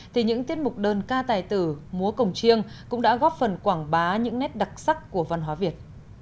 thì những tiết mục đơn ca tài tử múa cổng chiêng cũng đã góp phần quảng bá những nét đặc sắc của văn hóa việt